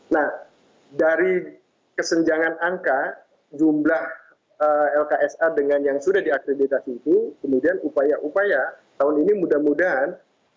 nah dari kesenjangan angka jumlah lksa dengan yang sudah diakreditasi itu kemudian upaya upaya tahun ini mudah mudahan